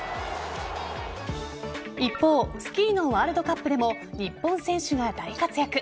一方スキーのワールドカップでも日本選手が大活躍。